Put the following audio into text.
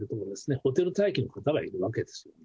ホテル待機の方がいるわけですよね。